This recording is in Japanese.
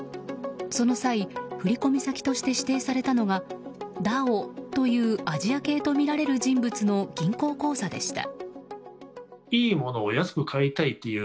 その際、振り込み先として指定されたのがダオという、アジア系とみられる人物の銀行口座でした。